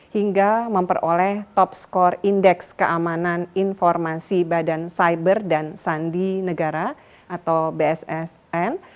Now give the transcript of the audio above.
hingga memperoleh top score indeks keamanan informasi badan cyber dan sandi negara atau bssn